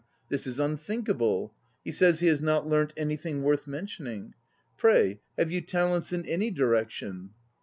This is unthinkable! He says he has not learnt anything worth mentioning. Pray, have you talents in any direction?